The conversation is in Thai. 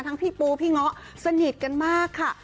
พี่ปูพี่เงาะสนิทกันมากค่ะ